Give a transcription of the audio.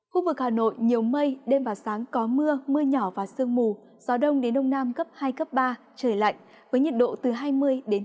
khu vực hà nội nhiều mây đêm và sáng có mưa mưa nhỏ và sương mù gió đông đến đông nam cấp hai cấp ba trời lạnh với nhiệt độ từ hai mươi ba mươi